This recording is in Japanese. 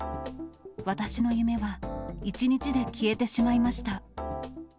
私の夢は１日で消えてしまいました。